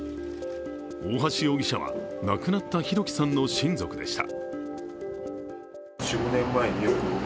大橋容疑者は、亡くなった弘輝さんの親族でした。